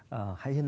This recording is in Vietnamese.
hãy hãy liên hệ